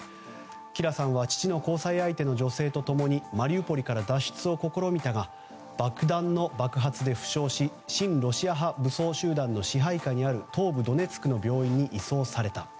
キラさんは父の交際相手の女性と共にマリウポリから脱出を試みたが爆弾の爆発で負傷し親ロシア派武装集団の支配下にある東部ドネツクの病院に移送された。